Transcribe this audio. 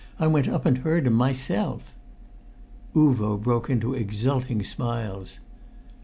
I went up and heard him myself." Uvo broke into exulting smiles.